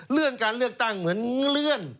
การเลือกตั้งเหมือนเลื่อน